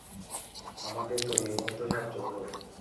আমাকে তৈরি হতে সাহায্য করো।